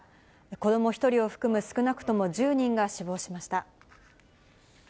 子ども１人を含む少なくとも１０人が死亡しました。